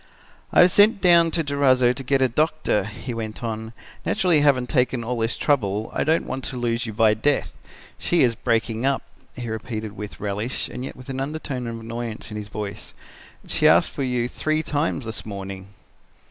"'I have sent down to Durazzo to get a doctor,' he went on; 'naturally having taken all this trouble I don't want to lose you by death. She is breaking up,' he repeated with relish and yet with an undertone of annoyance in his voice; 'she asked for you three times this morning.'